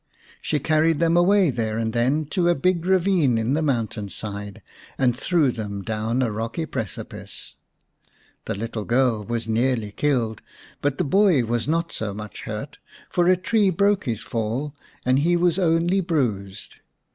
She carried them away there and then to a big ravine in the mountain side and threw them down a rocky precipice. The little girl was nearly killed, but the boy was not so much hurt, for a tree broke his fall and he was only bruised.